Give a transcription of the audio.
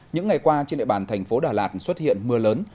những ngày qua trên địa bàn thành phố đà lạt xuất hiện mưa lớn